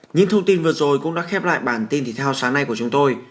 những thông tin vừa rồi cũng đã khép lại bản tin thể thao sáng nay của chúng tôi